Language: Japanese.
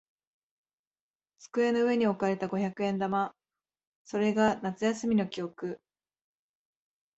机の上に置かれた五百円玉。それが夏休みの記憶。